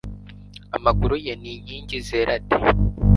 amaguru ye ni inkingi zera de